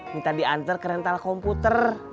minta diantar ke rental komputer